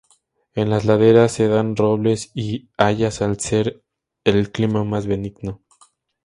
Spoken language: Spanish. En las laderas se dan robles y hayas al ser el clima más benigno.